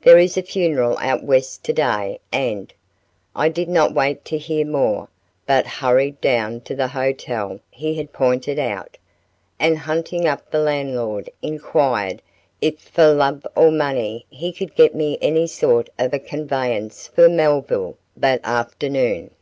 There is a funeral out west to day and " I did not wait to hear more but hurried down to the hotel he had pointed out, and hunting up the landlord inquired if for love or money he could get me any sort of a conveyance for Melville that afternoon.